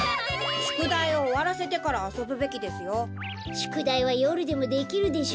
しゅくだいはよるでもできるでしょ？